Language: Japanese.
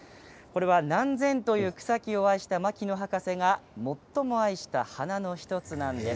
何千という草木を愛した牧野博士が最も愛した花の１つです。